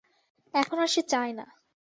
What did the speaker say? এখন আর সে চায় না।